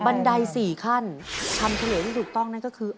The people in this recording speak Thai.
บันได๔ขั้นคำเฉลยที่ถูกต้องนั่นก็คือ